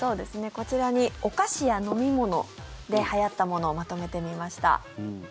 こちらにお菓子や飲み物ではやったものをまとめてみました。